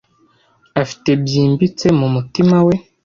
afite byimbitse mumutima we